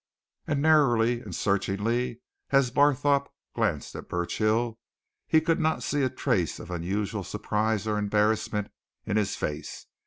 And narrowly and searchingly as Barthorpe glanced at Burchill he could not see a trace of unusual surprise or embarrassment in his face.